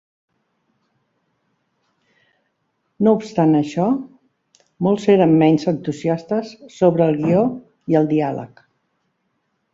No obstant això, molts eren menys entusiastes sobre el guió i el diàleg.